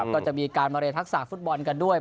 ก็จะมีการมาเรียนทักษะฟุตบอลกันด้วย